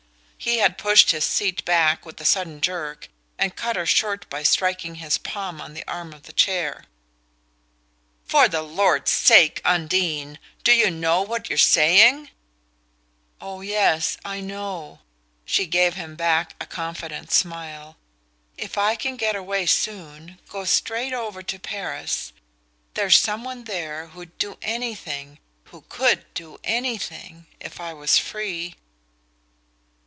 He had pushed his seat back with a sudden jerk and cut her short by striking his palm on the arm of the chair. "For the Lord's sake. Undine do you know what you're saying?" "Oh, yes, I know." She gave him back a confident smile. "If I can get away soon go straight over to Paris...there's some one there who'd do anything... who COULD do anything...if I was free..."